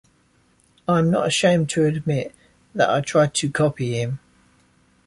I'm not ashamed to admit, that I tried to copy him.